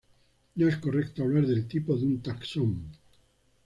No es correcto hablar del tipo de un taxón.